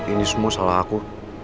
ini semua salah aku